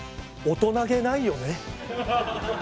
大人げないよね。